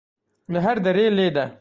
Li her derê lêde.